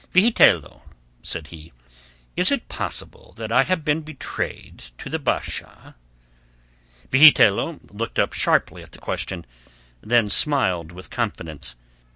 "Vigitello," said he, "is it possible that I have been betrayed to the Basha?" Vigitello looked up sharply at the question, then smiled with confidence.